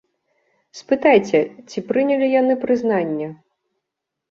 Спытайце, ці прынялі яны прызнанне?